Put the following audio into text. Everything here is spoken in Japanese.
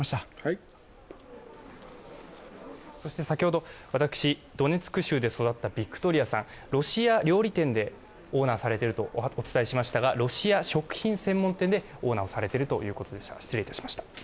先ほど、ドネツク州で育ったヴィクトリアさん、ロシア料理店でオーナーされているとお伝えしましたが、ロシア食品専門店でオーナーをされているということでした。